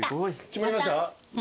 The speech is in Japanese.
決まりました？